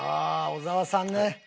小沢さん